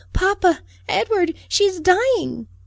"Papa! Edward! she is dying!"